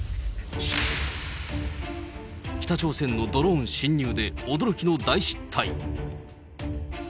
北朝鮮のドローン侵入で、驚きの大失態。